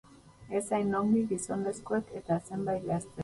Ez hain ongi gizonezkoek eta zenbait gaztek.